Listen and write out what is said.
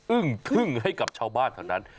ึ้งทึ่งให้กับชาวบ้านเท่านั้น